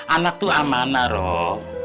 anak tuh amanah rok